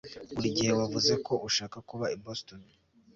Buri gihe wavuze ko ushaka kuba i Boston